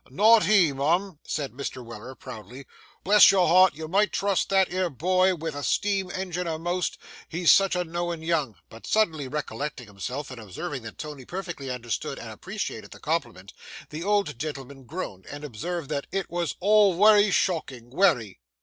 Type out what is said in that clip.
'Not he, mum,' said Mr. Weller proudly; 'bless your heart, you might trust that 'ere boy vith a steam engine a'most, he's such a knowin' young'—but suddenly recollecting himself and observing that Tony perfectly understood and appreciated the compliment, the old gentleman groaned and observed that 'it wos all wery shockin'—wery.